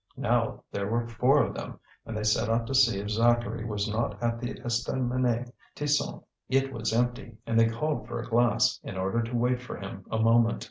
Now there were four of them, and they set out to see if Zacharie was not at the Estaminet Tison. It was empty, and they called for a glass, in order to wait for him a moment.